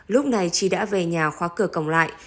lúc này chị đã về nhà khóa cửa cổng lại